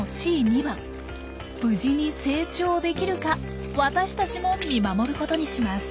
無事に成長できるか私たちも見守ることにします。